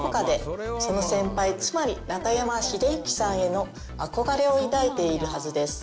つまり中山秀征さんへの憧れを抱いているはずです。